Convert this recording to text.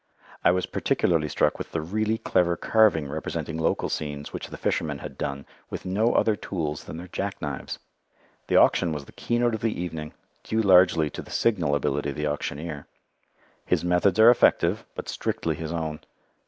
I was particularly struck with the really clever carving representing local scenes which the fishermen had done with no other tools than their jack knives. The auction was the keynote of the evening, due largely to the signal ability of the auctioneer. His methods are effective, but strictly his own.